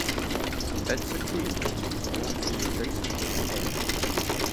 Condenser cooling water was drawn from the adjacent River Aire.